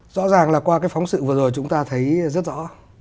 rõ ràng là qua cái phóng sự vừa rồi chúng ta thấy rất rõ